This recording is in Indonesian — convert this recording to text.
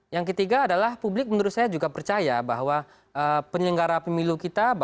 yang ketiga adalah publik menurut saya juga percaya bahwa penyelenggara pemilu kita